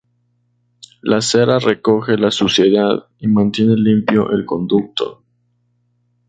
La cera recoge la suciedad y mantiene limpio el conducto.